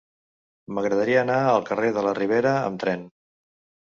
M'agradaria anar al carrer de la Ribera amb tren.